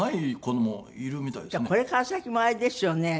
これから先もあれですよね。